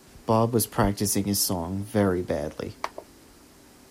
Bob was practising his song, very badly.